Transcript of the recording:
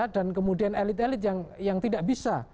dan kemudian elit elit yang tidak bisa